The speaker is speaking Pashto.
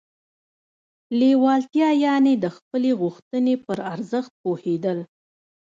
لېوالتیا يانې د خپلې غوښتنې پر ارزښت پوهېدل.